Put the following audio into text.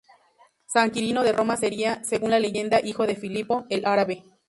San Quirino de Roma sería, según la leyenda, hijo de Filipo el Árabe.